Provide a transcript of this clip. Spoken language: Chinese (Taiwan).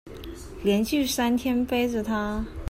連續三天背著她